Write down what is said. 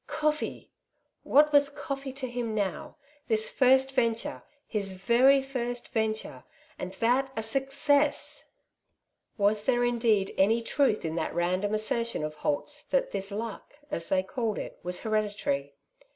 Coflfee ! what was cofEee to him now ? this jir%i venture, his very first venture, and that a success ! Was there indeed any truth in that random assertion of Holt's that this ''luck" as they called it was hereditary